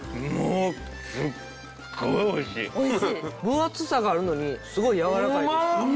分厚さがあるのにすごいやわらかいです。